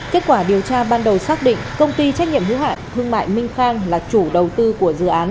kết quả điều tra ban đầu xác định công ty trách nhiệm hữu hạn thương mại minh khang là chủ đầu tư của dự án